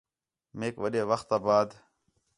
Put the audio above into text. میک وݙّے وخت آ بعد